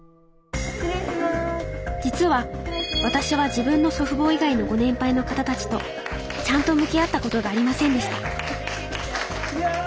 実は私は自分の祖父母以外のご年配の方たちとちゃんと向き合ったことがありませんでした